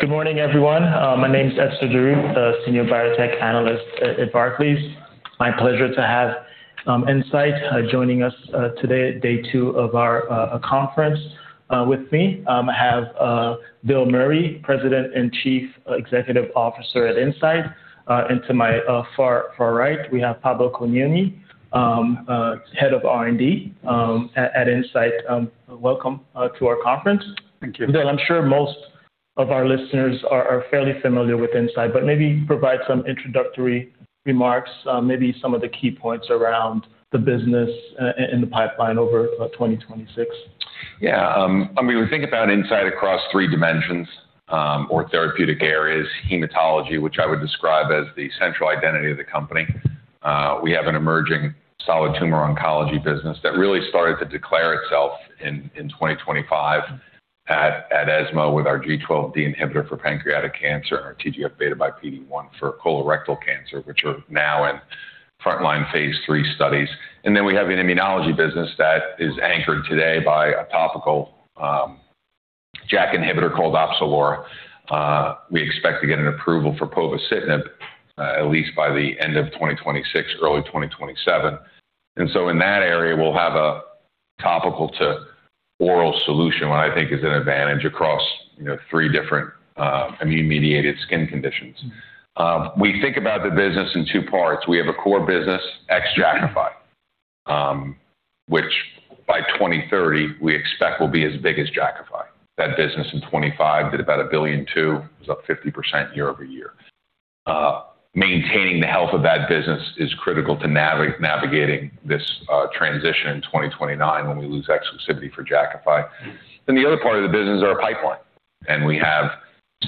Good morning, everyone. My name is Etzer Darout, the senior biotech analyst at Barclays. My pleasure to have Incyte joining us today, day two of our conference. With me, I have Bill Meury, President and Chief Executive Officer at Incyte. And to my far right, we have Pablo Cagnoni, Head of R&D at Incyte. Welcome to our conference. Thank you. Bill, I'm sure most of our listeners are fairly familiar with Incyte, but maybe provide some introductory remarks, maybe some of the key points around the business and the pipeline over 2026. Yeah. I mean, we think about Incyte across three dimensions, or therapeutic areas, hematology, which I would describe as the central identity of the company. We have an emerging solid tumor oncology business that really started to declare itself in 2025 at ESMO with our G12D inhibitor for pancreatic cancer and our TGFβR2xPD-1 for colorectal cancer, which are now in frontline phase III studies. Then we have an immunology business that is anchored today by a topical JAK inhibitor called Opzelura. We expect to get an approval for povorcitinib at least by the end of 2026, early 2027. In that area, we'll have a topical to oral solution, what I think is an advantage across, you know, three different immune-mediated skin conditions. We think about the business in two parts. We have a core business, ex-Jakafi, which by 2030 we expect will be as big as Jakafi. That business in 2025 did about $1.2 billion. It was up 50% YoY. Maintaining the health of that business is critical to navigating this transition in 2029 when we lose exclusivity for Jakafi. The other part of the business is our pipeline. We have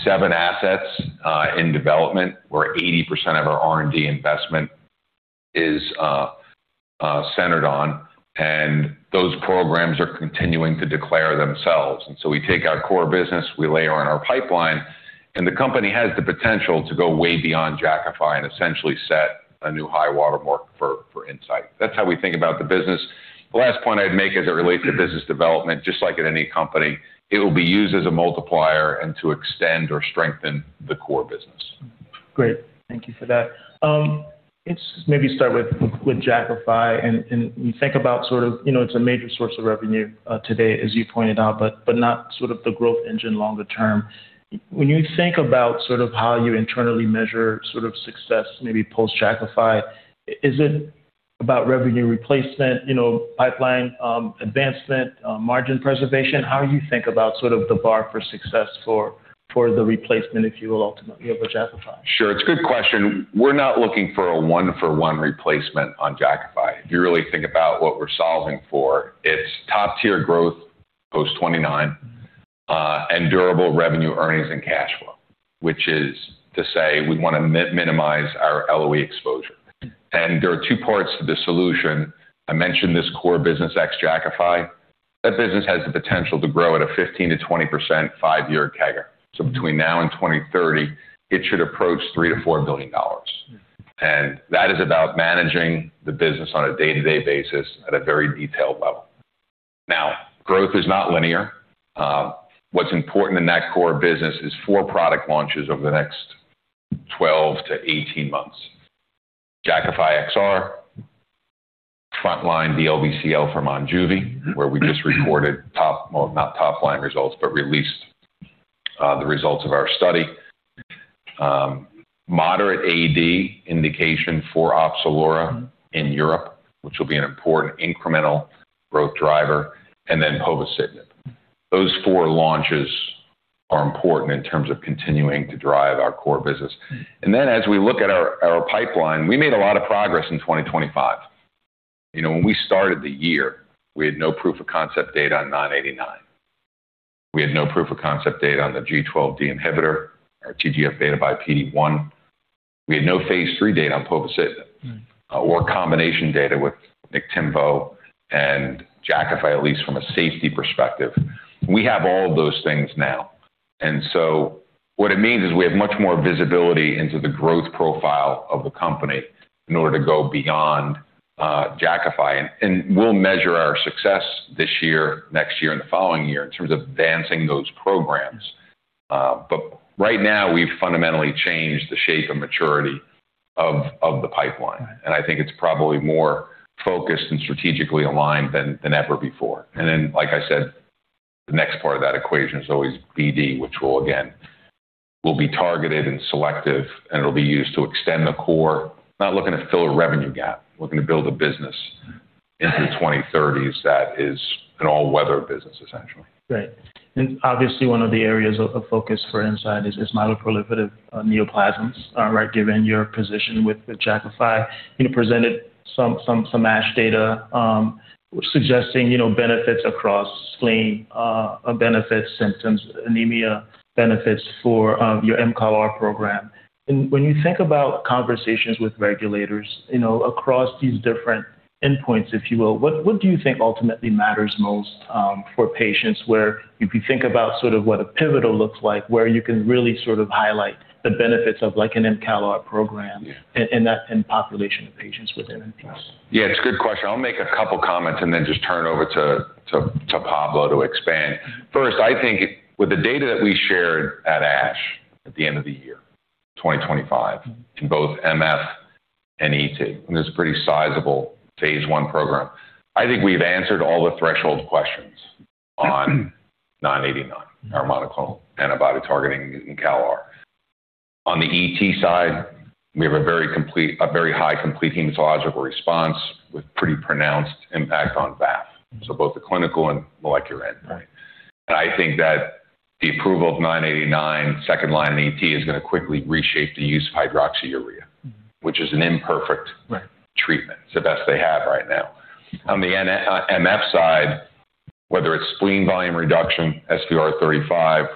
seven assets in development where 80% of our R&D investment is centered on, and those programs are continuing to declare themselves. We take our core business, we layer on our pipeline, and the company has the potential to go way beyond Jakafi and essentially set a new high watermark for Incyte. That's how we think about the business. The last point I'd make as it relates to business development, just like at any company, it will be used as a multiplier and to extend or strengthen the core business. Great. Thank you for that. Let's maybe start with Jakafi. You think about sort of, you know, it's a major source of revenue today, as you pointed out, but not sort of the growth engine longer term. When you think about sort of how you internally measure sort of success, maybe post-Jakafi, is it about revenue replacement, you know, pipeline advancement, margin preservation? How do you think about sort of the bar for success for the replacement, if you will, ultimately of Jakafi? Sure. It's a good question. We're not looking for a one-for-one replacement on Jakafi. If you really think about what we're solving for, it's top-tier growth post-2029 and durable revenue earnings and cash flow, which is to say we wanna minimize our LOE exposure. There are two parts to this solution. I mentioned this core business, ex-Jakafi. That business has the potential to grow at a 15%-20% five-year CAGR. Between now and 2030, it should approach $3 billion -$4 billion. That is about managing the business on a day-to-day basis at a very detailed level. Now, growth is not linear. What's important in that core business is four product launches over the next 12-18 months. Jakafi XR, frontline DLBCL for Monjuvi, where we just reported top. Well, not top-line results, but released the results of our study. Moderate AD indication for Opzelura in Europe, which will be an important incremental growth driver, and then povorcitinib. Those four launches are important in terms of continuing to drive our core business. As we look at our pipeline, we made a lot of progress in 2025. You know, when we started the year, we had no proof of concept data on INCB0989. We had no proof of concept data on the G12D inhibitor or TGFβR2xPD-1. We had no phase III data on povorcitinib or combination data with Niktimvo and Jakafi, at least from a safety perspective. We have all of those things now. What it means is we have much more visibility into the growth profile of the company in order to go beyond Jakafi. We'll measure our success this year, next year, and the following year in terms of advancing those programs. Right now, we've fundamentally changed the shape and maturity of the pipeline. I think it's probably more focused and strategically aligned than ever before. Then, like I said, the next part of that equation is always BD, which will again be targeted and selective, and it'll be used to extend the core. Not looking to fill a revenue gap. We're looking to build a business into 2030s that is an all-weather business, essentially. Great. Obviously, one of the areas of focus for Incyte is myeloproliferative neoplasms, right? Given your position with Jakafi. You presented some ASH data, suggesting, you know, benefits across spleen benefits, symptoms, anemia benefits for your mCALR program. When you think about conversations with regulators, you know, across these different endpoints, if you will, what do you think ultimately matters most for patients where if you think about sort of what a pivotal looks like, where you can really sort of highlight the benefits of like an mCALR program. Yeah. And population of patients with MPNs? Yeah, it's a good question. I'll make a couple comments and then just turn over to Pablo to expand. First, I think with the data that we shared at ASH at the end of the year 2025 in both MF and ET. It's a pretty sizable phase I program. I think we've answered all the threshold questions on INCB0989, our monoclonal antibody targeting mCALR. On the ET side, we have a very high complete hematological response with pretty pronounced impact on VAF. Both the clinical and molecular end. Right. I think that the approval of INCB0989 second-line in ET is going to quickly reshape the use of hydroxyurea, which is an imperfect. Right -treatment. It's the best they have right now. On the N-MF side, whether it's spleen volume reduction, SVR35,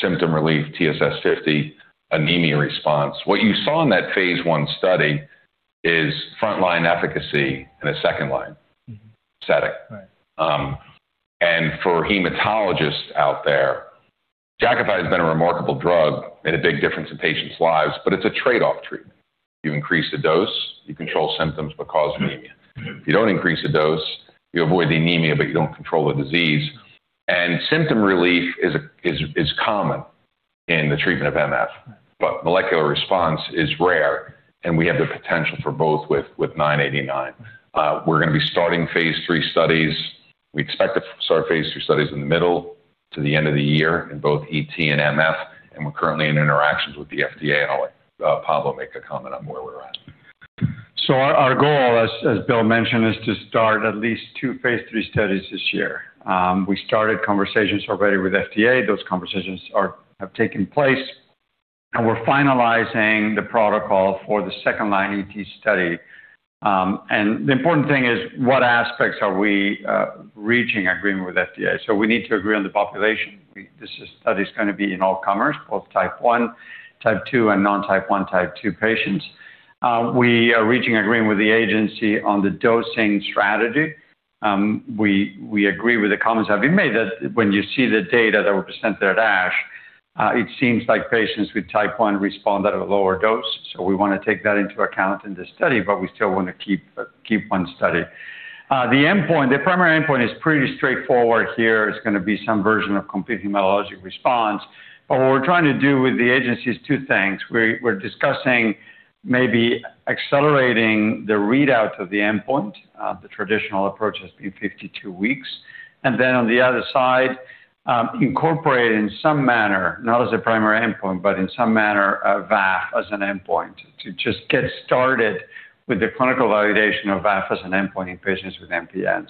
symptom relief, TSS50, anemia response, what you saw in that phase I study is frontline efficacy in a second-line setting. Right. For hematologists out there, Jakafi has been a remarkable drug, made a big difference in patients' lives, but it's a trade-off treatment. You increase the dose, you control symptoms, but cause anemia. If you don't increase the dose, you avoid the anemia, but you don't control the disease. Symptom relief is common in the treatment of MF, but molecular response is rare, and we have the potential for both with INCB0989. We're going to be starting phase III studies. We expect to start phase III studies in the middle to the end of the year in both ET and MF, and we're currently in interactions with the FDA, and I'll let Pablo make a comment on where we're at. Our goal, as Bill mentioned, is to start at least two phase III studies this year. We started conversations already with FDA. Those conversations have taken place, and we're finalizing the protocol for the second-line ET study. The important thing is what aspects are we reaching agreement with FDA. We need to agree on the population. This study is gonna be in all comers, both type one, type two, and non-type one, type two patients. We are reaching agreement with the agency on the dosing strategy. We agree with the comments that we made that when you see the data that were presented at ASH, it seems like patients with type one respond at a lower dose. We want to take that into account in this study, but we still want to keep one study. The endpoint, the primary endpoint is pretty straightforward here. It's gonna be some version of complete hematologic response. What we're trying to do with the agency is two things. We're discussing maybe accelerating the readout of the endpoint. The traditional approach has been 52 weeks. On the other side, incorporate in some manner, not as a primary endpoint, but in some manner, a VAF as an endpoint to just get started with the clinical validation of VAF as an endpoint in patients with MPN.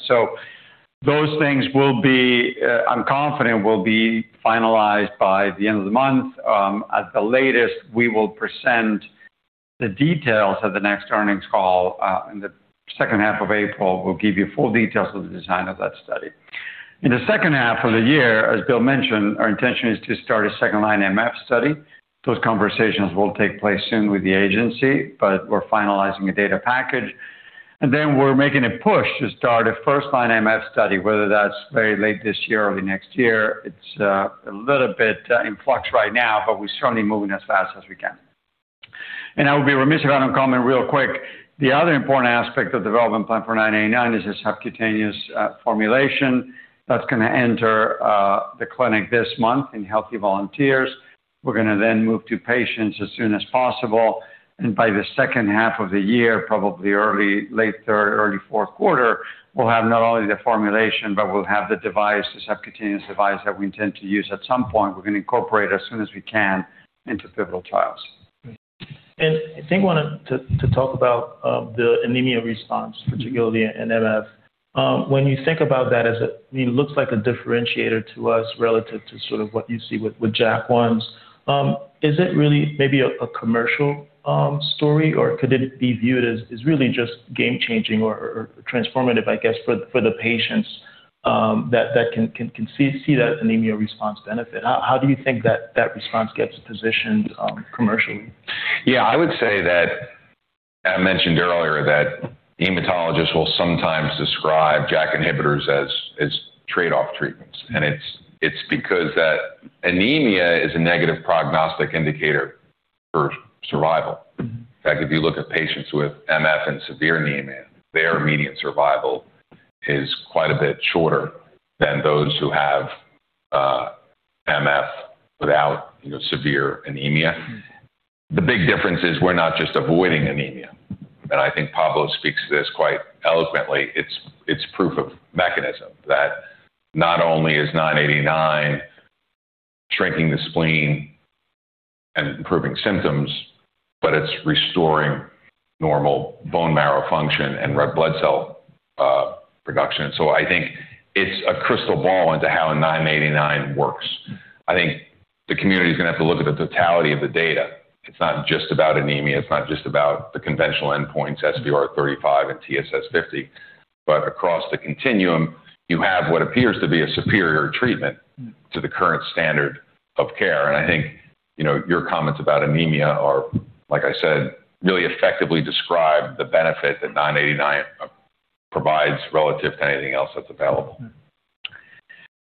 Those things will be, I'm confident, will be finalized by the end of the month. At the latest, we will present the details of the next earnings call in the second half of April. We'll give you full details of the design of that study. In the second half of the year, as Bill mentioned, our intention is to start a second-line MF study. Those conversations will take place soon with the agency, but we're finalizing a data package. We're making a push to start a first-line MF study, whether that's very late this year or the next year. It's a little bit in flux right now, but we're certainly moving as fast as we can. I would be remiss if I don't comment real quick. The other important aspect of development plan for INCB0989 is the subcutaneous formulation that's gonna enter the clinic this month in healthy volunteers. We're gonna then move to patients as soon as possible. By the second half of the year, probably early, late third, early fourth quarter, we'll have not only the formulation, but we'll have the device, the subcutaneous device that we intend to use at some point. We're gonna incorporate as soon as we can into pivotal trials. I think we wanted to talk about the anemia response, particularly in MF. When you think about that, it looks like a differentiator to us relative to sort of what you see with JAK1s. Is it really maybe a commercial story, or could it be viewed as really just game changing or transformative, I guess, for the patients that can see that anemia response benefit? How do you think that response gets positioned commercially? Yeah. I would say that I mentioned earlier that hematologists will sometimes describe JAK inhibitors as trade-off treatments. It's because that anemia is a negative prognostic indicator for survival. Mm-hmm. In fact, if you look at patients with MF and severe anemia, their median survival is quite a bit shorter than those who have MF without severe anemia. The big difference is we're not just avoiding anemia, and I think Pablo speaks to this quite eloquently. It's proof of mechanism that not only is nine eighty-nine shrinking the spleen and improving symptoms, but it's restoring normal bone marrow function and red blood cell production. So I think it's a crystal ball into how nine eighty-nine works. I think the community is gonna have to look at the totality of the data. It's not just about anemia, it's not just about the conventional endpoints, SVR35 and TSS50. Across the continuum, you have what appears to be a superior treatment to the current standard of care. I think, you know, your comments about anemia are, like I said, really effectively describe the benefit that INCB0989 provides relative to anything else that's available.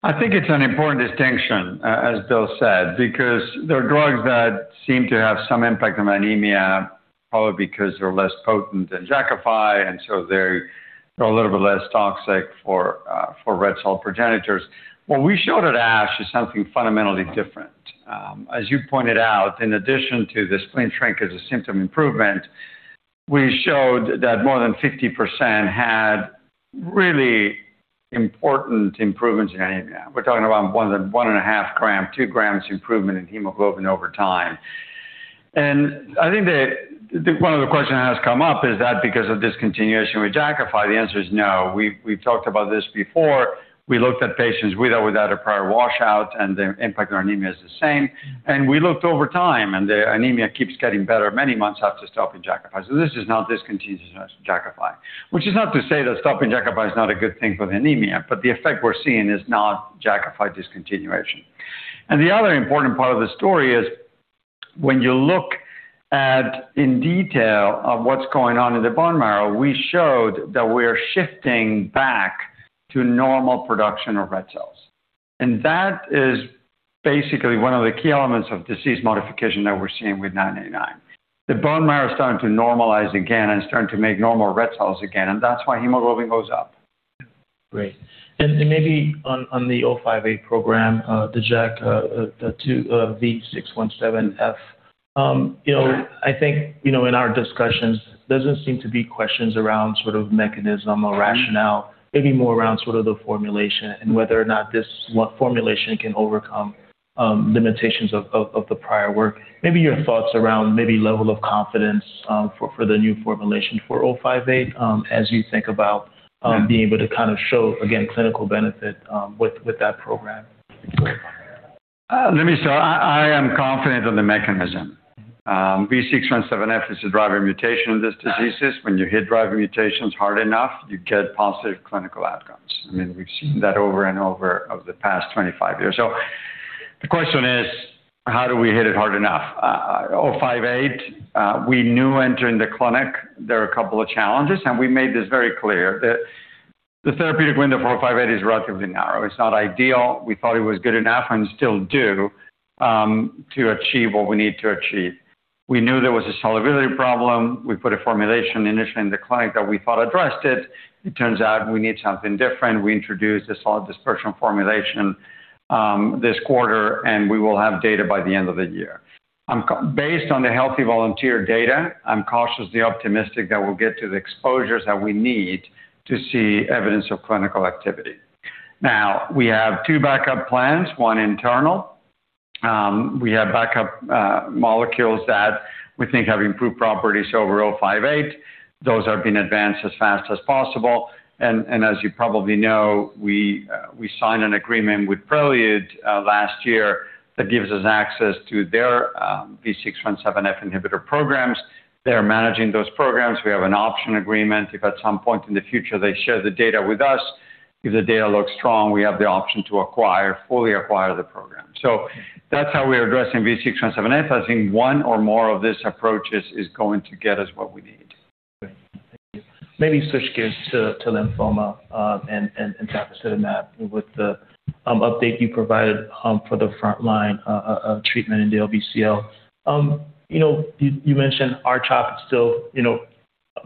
I think it's an important distinction as Bill said, because there are drugs that seem to have some impact on anemia. Probably because they're less potent than Jakafi, and so they're a little bit less toxic for red cell progenitors. What we showed at ASH is something fundamentally different. As you pointed out, in addition to the spleen shrinkage and symptom improvement, we showed that more than 50% had really important improvements in anemia. We're talking about more than 1.5 grams, two grams improvement in hemoglobin over time. I think one of the questions that has come up is that because of discontinuation with Jakafi. The answer is no. We've talked about this before. We looked at patients with or without a prior washout, and the impact on anemia is the same. We looked over time, and the anemia keeps getting better many months after stopping Jakafi. This is not discontinuation of Jakafi. Which is not to say that stopping Jakafi is not a good thing for the anemia, but the effect we're seeing is not Jakafi discontinuation. The other important part of the story is when you look in detail at what's going on in the bone marrow, we showed that we're shifting back to normal production of red cells. That is basically one of the key elements of disease modification that we're seeing with INCB0989. The bone marrow is starting to normalize again and starting to make normal red cells again, and that's why hemoglobin goes up. Great. Maybe on the INCB160058 program, the JAK2 V617F. You know, I think, you know, in our discussions, there doesn't seem to be questions around sort of mechanism or rationale, maybe more around sort of the formulation and whether or not this formulation can overcome limitations of the prior work. Maybe your thoughts around maybe level of confidence for the new formulation for INCB160058 as you think about being able to kind of show again clinical benefit with that program. Let me start. I am confident on the mechanism. V617F is a driver mutation of this disease. When you hit driver mutations hard enough, you get positive clinical outcomes. I mean, we've seen that over and over in the past 25 years. The question is, how do we hit it hard enough? INCB160058, we knew entering the clinic there are a couple of challenges, and we made this very clear that the therapeutic window for INCB160058 is relatively narrow. It's not ideal. We thought it was good enough and still do, to achieve what we need to achieve. We knew there was a solubility problem. We put a formulation initially in the clinic that we thought addressed it. It turns out we need something different. We introduced a solid dispersion formulation this quarter, and we will have data by the end of the year. Based on the healthy volunteer data, I'm cautiously optimistic that we'll get to the exposures that we need to see evidence of clinical activity. Now, we have two backup plans, one internal. We have backup molecules that we think have improved properties over oh five eight. Those are being advanced as fast as possible. And as you probably know, we signed an agreement with Prelude last year that gives us access to their V617F inhibitor programs. They're managing those programs. We have an option agreement. If at some point in the future they share the data with us, if the data looks strong, we have the option to acquire, fully acquire the program. That's how we are addressing V617F. I think one or more of these approaches is going to get us what we need. Maybe switch gears to lymphoma and tafasitamab with the update you provided for the frontline treatment in DLBCL. You know, you mentioned R-CHOP is still, you know,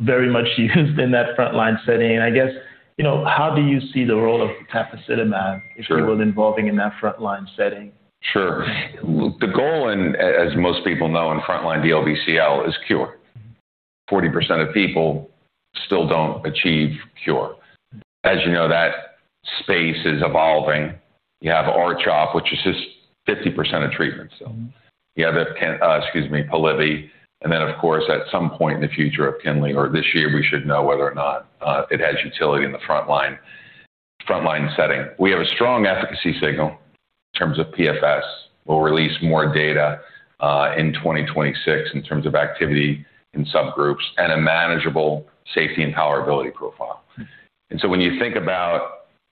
very much used in that frontline setting. I guess, you know, how do you see the role of tafasitamab- Sure. if you will, involving in that frontline setting? Sure. The goal, as most people know, in frontline DLBCL is cure. 40% of people still don't achieve cure. As you know, that space is evolving. You have R-CHOP, which is just 50% of treatment. You have Polivy. Of course, at some point in the future of Columvi or this year, we should know whether or not it has utility in the frontline setting. We have a strong efficacy signal in terms of PFS. We'll release more data in 2026 in terms of activity in subgroups and a manageable safety and tolerability profile. When you think about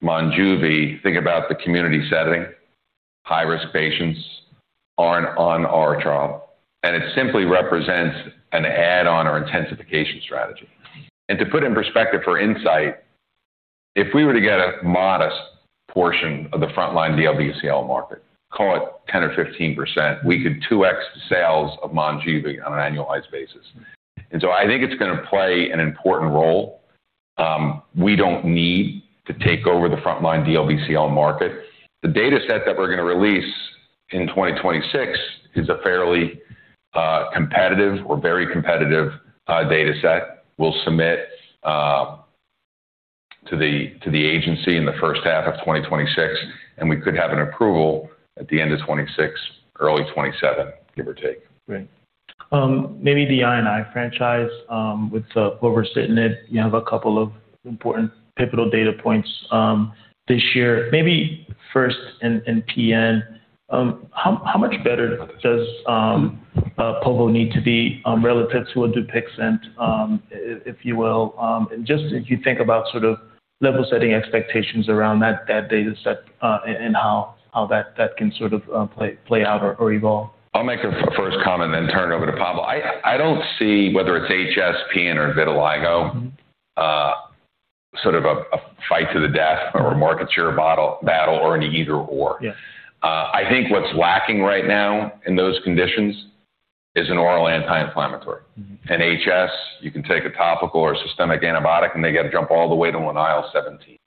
Monjuvi, think about the community setting. High-risk patients aren't on R-CHOP, and it simply represents an add-on or intensification strategy. To put in perspective for Incyte, if we were to get a modest portion of the frontline DLBCL market, call it 10% or 15%, we could 2x the sales of Monjuvi on an annualized basis. I think it's going to play an important role. We don't need to take over the frontline DLBCL market. The data set that we're going to release in 2026 is a fairly competitive or very competitive data set. We'll submit to the agency in the first half of 2026, and we could have an approval at the end of 2026, early 2027, give or take. Great. Maybe the immunology franchise, given where we're sitting at, you have a couple of important pivotal data points this year. Maybe first in PN, how much better does povorcitinib need to be relative to a Dupixent, if you will? Just if you think about sort of level-setting expectations around that data set, and how that can sort of play out or evolve. I'll make a first comment, then turn it over to Pablo. I don't see whether it's HS, PN or vitiligo. Sort of a fight to the death or a market share battle or an either/or. Yes. I think what's lacking right now in those conditions is an oral anti-inflammatory. Mm-hmm. In HS, you can take a topical or systemic antibiotic, and they gotta jump all the way to IL-17.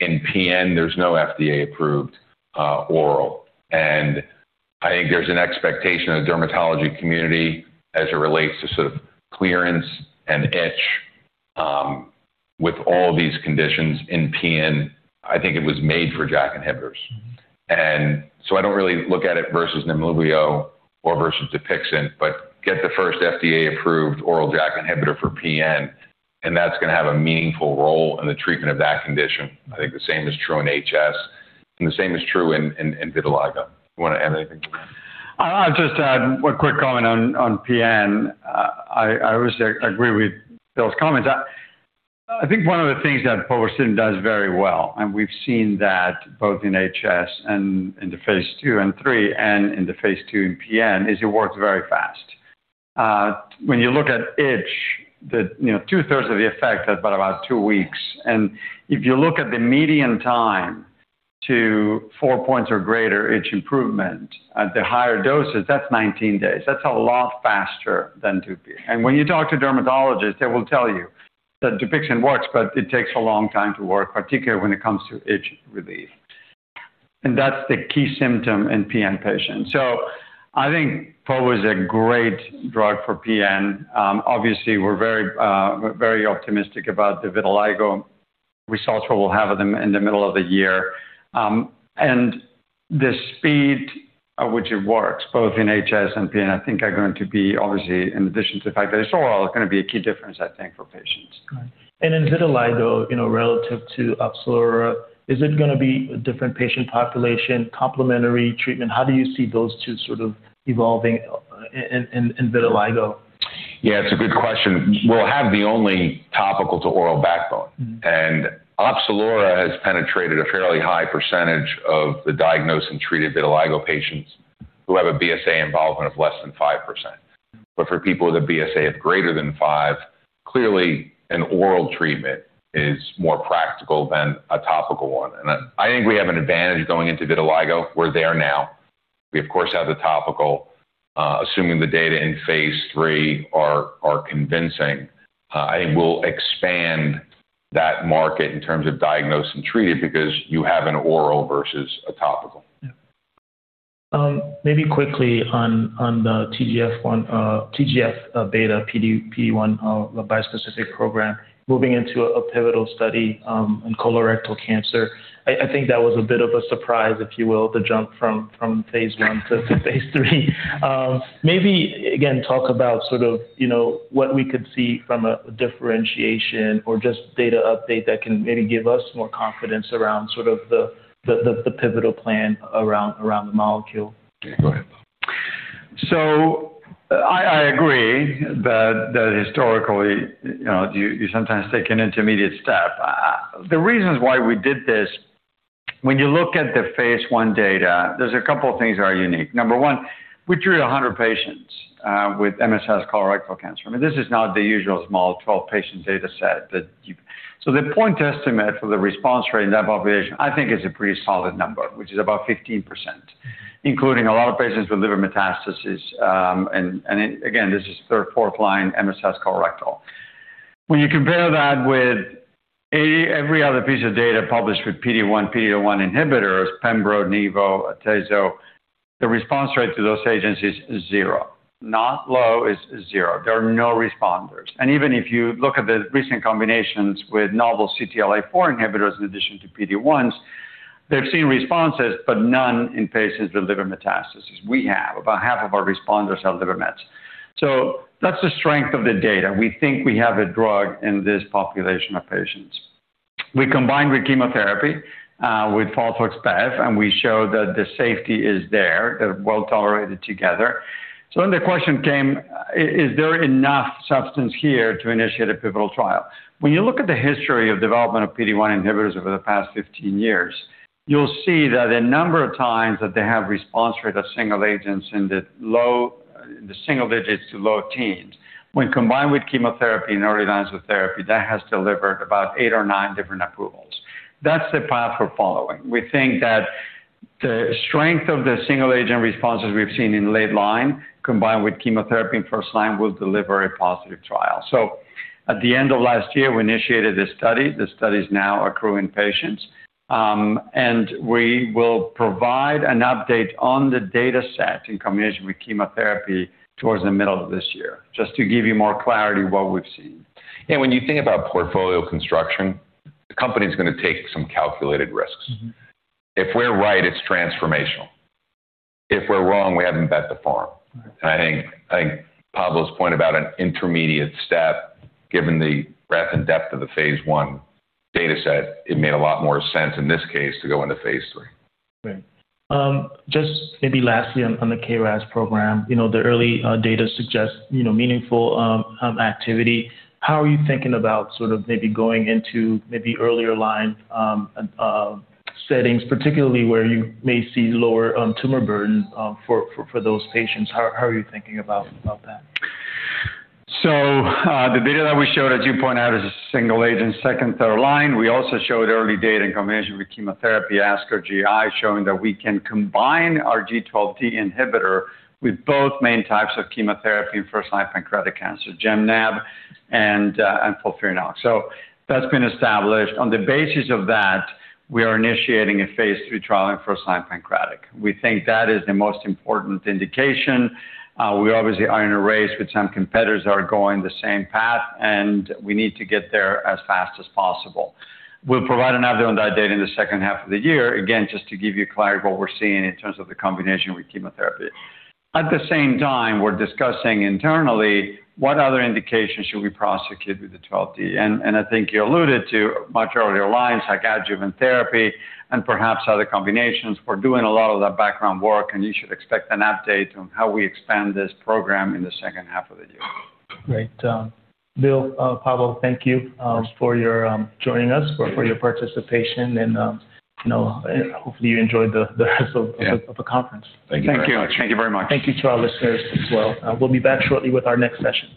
In PN, there's no FDA-approved oral. I think there's an expectation in the dermatology community as it relates to sort of clearance and itch with all these conditions in PN, I think it was made for JAK inhibitors. I don't really look at it versus Nemluvio or versus Dupixent, but get the first FDA-approved oral JAK inhibitor for PN, and that's gonna have a meaningful role in the treatment of that condition. I think the same is true in HS, and the same is true in vitiligo. You wanna add anything? Just a quick comment on PN. I also agree with Bill's comments. I think one of the things that povorcitinib does very well, and we've seen that both in HS and in the phase II and III and in the phase II in PN, is it works very fast. When you look at itch that, you know, two-thirds of the effect at about two weeks. If you look at the median time to four points or greater itch improvement at the higher doses, that's 19 days. That's a lot faster than Dupixent. When you talk to dermatologists, they will tell you that Dupixent works, but it takes a long time to work, particularly when it comes to itch relief. That's the key symptom in PN patients. I think po is a great drug for PN. Obviously we're very optimistic about the vitiligo results we'll have in the middle of the year. The speed at which it works both in HS and PN, I think are going to be obviously, in addition to the fact that it's oral, it's gonna be a key difference, I think, for patients. Got it. In vitiligo, you know, relative to Opzelura, is it gonna be a different patient population, complementary treatment? How do you see those two sort of evolving in vitiligo? Yeah, it's a good question. We'll have the only topical to oral backbone. Mm-hmm. Opzelura has penetrated a fairly high percentage of the diagnosed and treated vitiligo patients who have a BSA involvement of less than 5%. For people with a BSA of greater than five, clearly an oral treatment is more practical than a topical one. I think we have an advantage going into vitiligo. We're there now. We of course have the topical. Assuming the data in phase III are convincing, I think we'll expand that market in terms of diagnosed and treated because you have an oral versus a topical. Yeah. Maybe quickly on the TGFβR2xPD-1 bispecific program moving into a pivotal study in colorectal cancer. I think that was a bit of a surprise, if you will, to jump from phase I-phase III. Maybe again, talk about sort of, you know, what we could see from a differentiation or just data update that can maybe give us more confidence around sort of the pivotal plan around the molecule. Yeah. Go ahead, Pablo. I agree that historically, you know, you sometimes take an intermediate step. The reasons why we did this, when you look at the phase I data, there's a couple of things that are unique. Number one, we treated 100 patients with MSS colorectal cancer. I mean, this is not the usual small 12-patient data set that you. The point estimate for the response rate in that population, I think is a pretty solid number, which is about 15%, including a lot of patients with liver metastases. And again, this is third, fourth line MSS colorectal. When you compare that with every other piece of data published with PD-1, PD-1 inhibitors, Pembrolizumab, Nivolumab, Atezolizumab, the response rate to those agents is zero. Not low, is zero. There are no responders. Even if you look at the recent combinations with novel CTLA-4 inhibitors in addition to PD-1s, they've seen responses, but none in patients with liver metastases. We have. About half of our responders have liver mets. That's the strength of the data. We think we have a drug in this population of patients. We combined with chemotherapy with FOLFOX/bev, and we showed that the safety is there. They're well-tolerated together. The question came, is there enough substance here to initiate a pivotal trial? When you look at the history of development of PD-1 inhibitors over the past 15 years, you'll see that the number of times that they have response rate of single agents in the low single digits to low teens, when combined with chemotherapy and early lines of therapy, that has delivered about eight or nine different approvals. That's the path we're following. We think that the strength of the single-agent responses we've seen in late line combined with chemotherapy in first line will deliver a positive trial. At the end of last year, we initiated this study. The study is now accruing patients. We will provide an update on the data set in combination with chemotherapy towards the middle of this year, just to give you more clarity what we've seen. When you think about portfolio construction, the company's gonna take some calculated risks. Mm-hmm. If we're right, it's transformational. If we're wrong, we haven't bet the farm. I think Pablo's point about an intermediate step, given the breadth and depth of the phase I data set, it made a lot more sense in this case to go into phase III. Right. Just maybe lastly on the KRAS program. You know, the early data suggests, you know, meaningful activity. How are you thinking about sort of maybe going into maybe earlier line settings, particularly where you may see lower tumor burden for those patients? How are you thinking about that? The data that we showed, as you point out, is a single agent, second, third line. We also showed early data in combination with chemotherapy, ASCO GI, showing that we can combine our G12D inhibitor with both main types of chemotherapy in first-line pancreatic cancer, Gem/Nab and FOLFIRINOX. That's been established. On the basis of that, we are initiating a phase III trial in first-line pancreatic. We think that is the most important indication. We obviously are in a race with some competitors that are going the same path, and we need to get there as fast as possible. We'll provide an update on that data in the second half of the year. Again, just to give you clarity what we're seeing in terms of the combination with chemotherapy. At the same time, we're discussing internally what other indications should we prosecute with the G12D. I think you alluded to much earlier lines like adjuvant therapy and perhaps other combinations. We're doing a lot of that background work, and you should expect an update on how we expand this program in the second half of the year. Great. Bill, Pablo, thank you. Of course. For your joining us or for your participation and, you know, hopefully you enjoyed the rest of the conference. Thank you very much. Thank you. Thank you very much. Thank you to our listeners as well. We'll be back shortly with our next session.